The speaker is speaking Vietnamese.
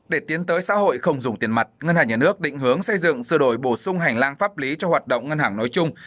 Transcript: để tiến tới xã hội không dùng tiền mặt ngân hàng nhà nước định hướng xây dựng sửa đổi bổ sung hành lang pháp lý cho hoạt động ngân hàng nói chung